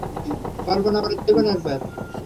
কল্পনা করে দেখুন একবার!